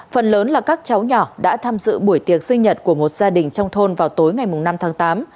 phần lớn là các cháu nhỏ đã tham dự buổi tiệc sinh nhật của một gia đình trong thôn vào tối ngày năm tháng tám